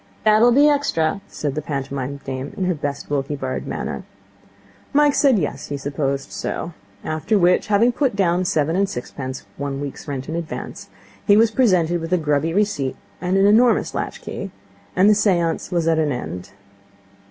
'That'll be extra,' said the pantomime dame in her best Wilkie Bard manner. Mike said yes, he supposed so. After which, having put down seven and sixpence, one week's rent in advance, he was presented with a grubby receipt and an enormous latchkey, and the seance was at an end.